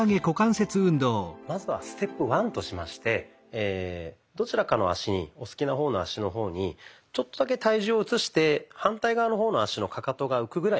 まずはステップワンとしましてどちらかの脚お好きな方の脚の方にちょっとだけ体重を移して反対側の方の脚のカカトが浮くぐらい。